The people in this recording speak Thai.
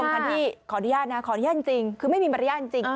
คันที่ขออนุญาตนะขออนุญาตจริงคือไม่มีมารยาทจริง